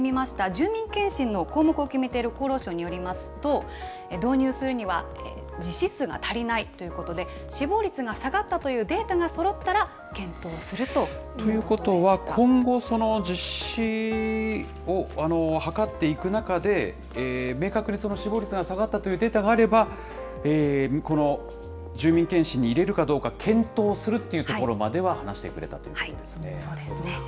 住民検診の項目を決めている厚労省によりますと、導入するには実施数が足りないということで、死亡率が下がったというデータがそろったら、検討するということでということは今後、実施をはかっていく中で、明確にその死亡率が下がったというデータがあれば、この住民検診に入れるかどうか、検討するっていうところまでそうですね。